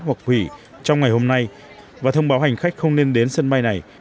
hoặc hủy trong ngày hôm nay và thông báo hành khách không nên đến sân bay này